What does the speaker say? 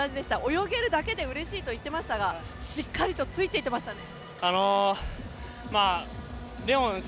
泳げるだけでうれしいと言ってましたがしっかりとついていってましたね。